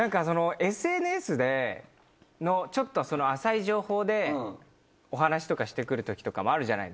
ＳＮＳのちょっと浅い情報でお話とかして来る時とかもあるじゃないですか。